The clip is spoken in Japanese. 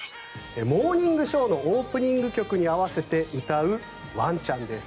「モーニングショー」のオープニング曲に合わせて歌うワンちゃんです。